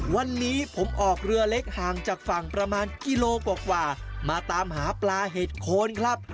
วันนี้ผมออกเรือเล็กห่างจากฝั่งประมาณกิโลกว่ามาตามหาปลาเห็ดโคนครับ